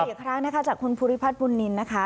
อีกครั้งนะคะจากคุณภูริพัฒน์บุญนินนะคะ